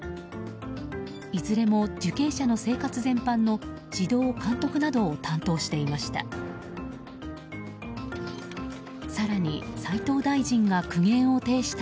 いずれも受刑者の生活全般の指導・監督などを担当していました。